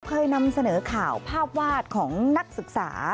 เคยนำเสนอข่าวภาพวาดของนักศึกษา